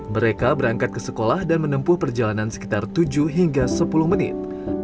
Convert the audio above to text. mereka berangkat ke sekolah dan menempuh perjalanan sekitar tujuh hingga sepuluh menit